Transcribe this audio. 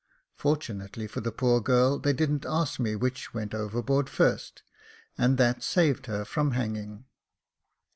Fortunately for the poor girl, they didn't ask me which went overboard first, and that saved her from hanging.